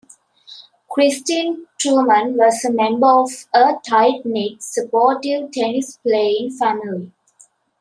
Christine Truman was a member of a tight-knit, supportive tennis-playing family.